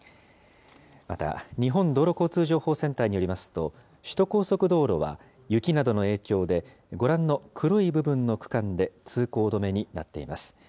また、日本道路交通情報センターによりますと、首都高速道路は雪などの影響でご覧の黒い部分の区間で通行止めになっています。